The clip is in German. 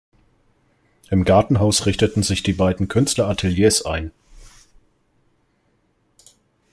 Im Gartenhaus richteten sich die beiden Künstler Ateliers ein.